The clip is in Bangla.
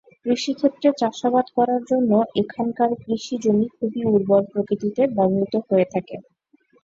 কৃষিক্ষেত্রে চাষাবাদ করার জন্য এখানকার কৃষি জমি খুবই উর্বর প্রকৃতিতে ব্যবহৃত হয়ে থাকে।